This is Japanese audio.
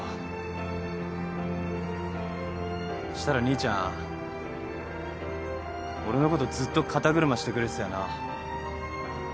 したら兄ちゃん俺のことずっと肩車してくれてたよな。